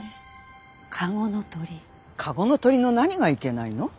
籠の鳥の何がいけないの？